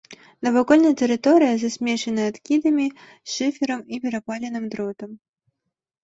Навакольная тэрыторыя засмечаная адкідамі, шыферам і перапаленым дротам.